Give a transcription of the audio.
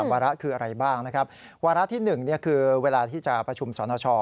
วาระคืออะไรบ้างนะครับวาระที่๑คือเวลาที่จะประชุมสรณชอ